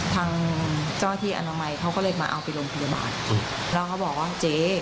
ทางเจ้าหน้าที่อนามัยเขาก็เลยมาเอาไปโรงพยาบาลแล้วเขาบอกว่าเจ๊